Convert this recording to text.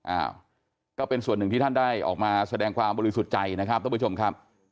อ้าวก็เป็นส่วนหนึ่งที่ท่านได้ออกมาแสดงความบริสุทธิ์ใจนะครับท่านผู้ชมครับ